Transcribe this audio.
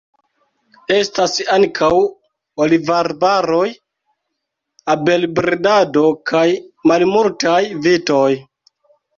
Estas ankaŭ olivarboj, abelbredado kaj malmultaj vitoj.